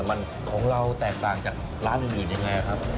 มันของเราแตกต่างจากร้านอื่นยังไงครับ